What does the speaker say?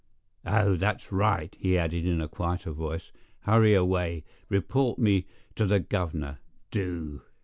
"Oh, that's right," he added in a quieter voice; "hurry away; report me to the governor, do!